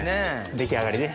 出来上がりです。